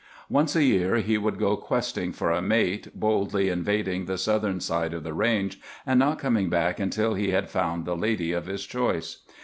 Once a year he would go questing for a mate, boldly invading the southern side of the range, and not coming back until he had found the lady of his choice.